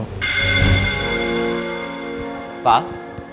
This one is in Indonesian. lapor pak rendy